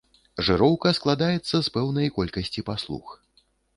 Жыроўка складаецца з пэўнай колькасці паслуг.